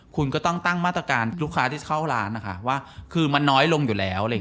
คุณก็ต้องตั้งมาตรการลูกค้าที่เข้าร้านนะคะว่าคือมันน้อยลงอยู่แล้ว